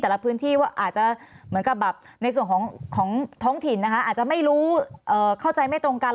ในพื้นที่ว่าอาจจะเหมือนกับแบบในส่วนของท้องถิ่นนะคะอาจจะไม่รู้เข้าใจไม่ตรงกัน